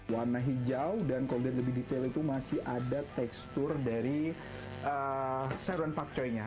warna hijau dan kalau dilihat lebih detail itu masih ada tekstur dari sayuran pakcoy nya